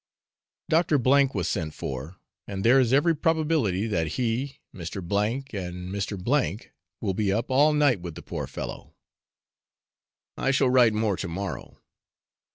Dr. H was sent for; and there is every probability that he, Mr. and Mr. O will be up all night with the poor fellow. I shall write more to morrow.